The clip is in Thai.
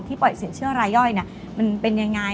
ปล่อยสินเชื่อรายย่อยมันเป็นยังไง